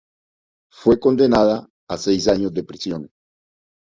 Fue condenada a seis años de prisión.